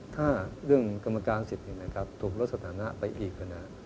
ถ้าเรื่องกรรมการสิทธิ์ถูกลดสถานะไปอีก